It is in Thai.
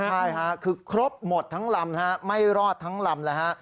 ใช่ค่ะคือครบหมดทั้งลำไม่รอดทั้งลำแล้วฮะ